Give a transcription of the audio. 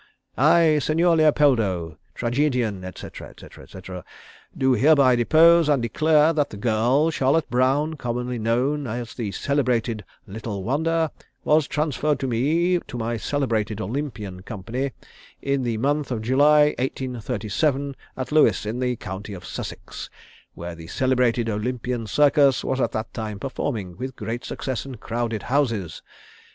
"I, Signor Leopoldo, Tragedian, &c., &c., &c., do hereby depose and declare that the girl, Charlotte Brown, commonly known as the celebrated 'Little Wonder,' was transferred by me to my celebrated Olympian Company in the month of July, 1837, at Lewes, in the county of Sussex, where the celebrated Olympian Circus was at that time performing with great success and crowded houses.